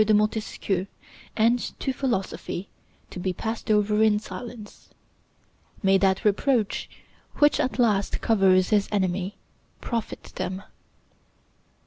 de Montesquieu and to philosophy to be passed over in silence. May that reproach, which at last covers his enemies, profit them!